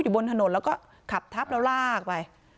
บนถนนแล้วก็ขับทับแล้วลากไป